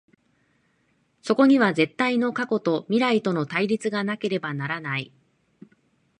そこには絶対の過去と未来との対立がなければならない。